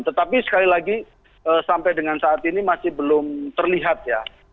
tetapi sekali lagi sampai dengan saat ini masih belum terlihat ya